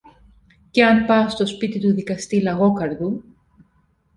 και αν πας στο σπίτι του δικαστή Λαγόκαρδου